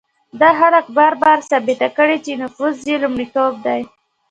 دا خلک بار بار ثابته کړې چې نفوذ یې لومړیتوب دی.